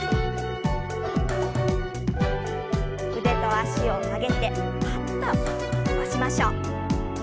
腕と脚を上げてパッと伸ばしましょう。